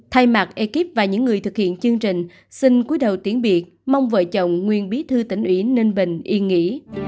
thay mặt ekip và những người thực hiện chương trình xin cuối đầu tiếng biệt mong vợ chồng nguyên bí thư tỉnh ủy ninh bình yên nghỉ